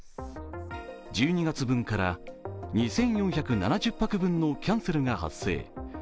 １２月分から２４７０泊分のキャンセルが発生。